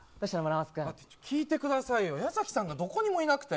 聞いてくださいよ矢崎さんがどこにもいなくて。